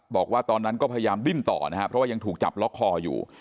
บอกว่าตอนนั้นก็พยายามดิ้นต่อนะครับเพราะว่ายังถูกจับล็อกคออยู่